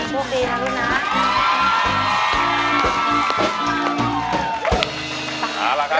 ช่วงดีนะลูกนะ